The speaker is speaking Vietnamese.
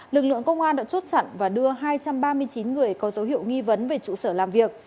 lực lượng công an đã chốt chặn và đưa hai trăm ba mươi chín người có dấu hiệu nghi vấn về trụ sở làm việc